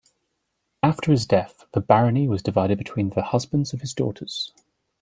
After his death, the Barony was divided between the husbands of his daughters.